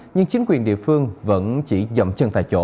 nhưng chính quyền địa phương vẫn chỉ dậm chân tại chỗ